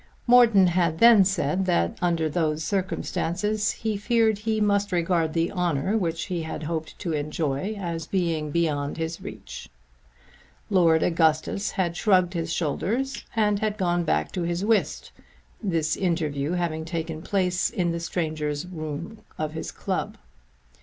Morton had then said that under those circumstances he feared he must regard the honour which he had hoped to enjoy as being beyond his reach. Lord Augustus had shrugged his shoulders and had gone back to his whist, this interview having taken place in the strangers' room of his club.